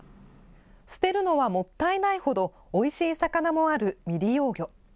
捨てるのはもったいないほど、おいしい魚もある未利用魚。